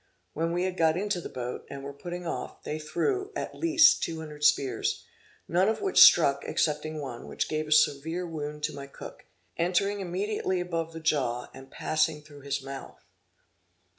When we had got into the boat, and were putting off, they threw, at least, 200 spears, none of which struck, excepting one, which gave a severe wound to my cook, entering immediately above the jaw, and passing through his mouth.